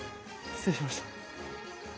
失礼しました。